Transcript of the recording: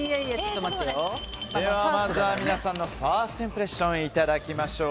まずは皆さんのファーストインプレッションいただきましょう。